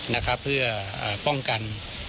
นะครับเพื่อป้องกัน